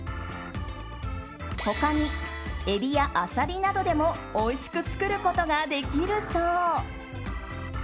他にエビやアサリなどでもおいしく作ることができるそう。